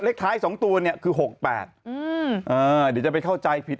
เลขท้ายสองตัวเนี่ยคือหกแปดอืมอ่าเดี๋ยวจะไปเข้าใจผิด